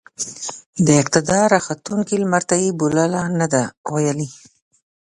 د اقتدار راختونکي لمرته يې بولـله نه ده ويلې.